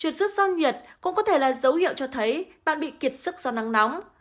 chuột rút do nhiệt cũng có thể là dấu hiệu cho thấy bạn bị kiệt sức do nắng nóng